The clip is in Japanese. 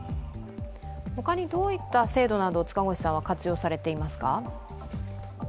他にどかいった制度などを活用されていますか？